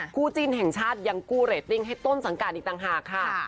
คู่จิ้นแห่งชาติยังกู้เรตติ้งให้ต้นสังกัดอีกต่างหากค่ะ